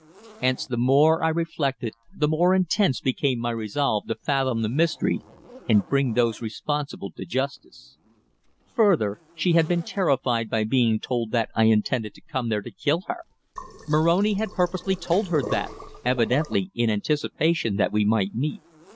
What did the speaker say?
Hence the more I reflected the more intense became my resolve to fathom the mystery and bring those responsible to justice. Further, she had been terrified by being told that I intended to come there to kill her! Moroni had purposely told her that, evidently in anticipation that we might meet!